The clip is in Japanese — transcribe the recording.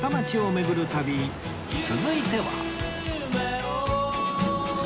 続いては